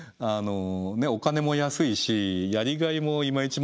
お金も安いしやりがいもいまいち